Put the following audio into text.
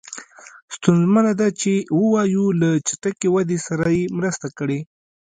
ستونزمنه ده چې ووایو له چټکې ودې سره یې مرسته کړې.